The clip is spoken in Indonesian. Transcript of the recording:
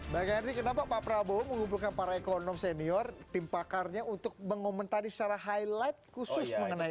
bang henry kenapa pak prabowo mengumpulkan para ekonom senior tim pakarnya untuk mengomentari secara highlight khusus mengenai